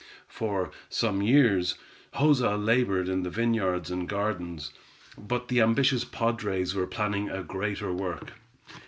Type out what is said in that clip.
For some years, Joza labored in the vineyards and gardens; but the ambitious padres were planning a greater work.